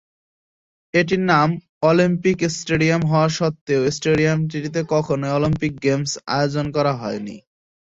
এটির নাম Olympic stadium হওয়া সত্ত্বেও, স্টেডিয়ামটিতে কখনোই অলিম্পিক গেমস আয়োজন করা হয়নি।